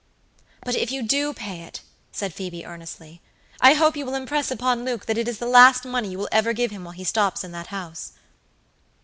"But if you do pay it," said Phoebe, earnestly, "I hope you will impress upon Luke that it is the last money you will ever give him while he stops in that house."